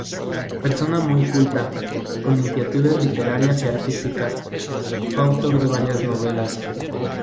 Persona muy culta, con inquietudes literarias y artísticas, fue autor de varias novelas.